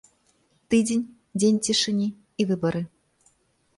Тыдзень, дзень цішыні і выбары.